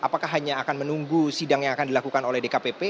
apakah hanya akan menunggu sidang yang akan dilakukan oleh dkpp